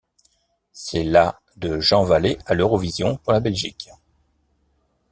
C'est la de Jean Vallée à l'Eurovision pour la Belgique.